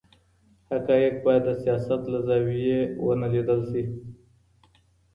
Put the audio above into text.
حقایق باید د سیاست له زاویې ونه لیدل سي.